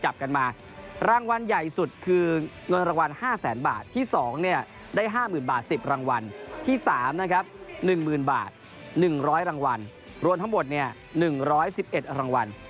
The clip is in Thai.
๑๐๐๐๐บาท๑๐๐รางวัลรวมทั้งหมด๑๑๑รางวัล